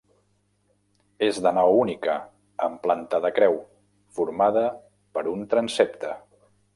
És de nau única, amb planta de creu, formada per un transsepte.